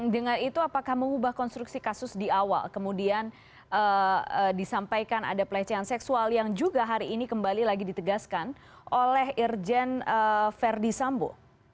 dengan itu apakah mengubah konstruksi kasus di awal kemudian disampaikan ada pelecehan seksual yang juga hari ini kembali lagi ditegaskan oleh irjen verdi sambo